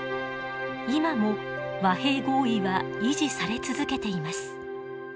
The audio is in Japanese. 今も和平合意は維持され続けています。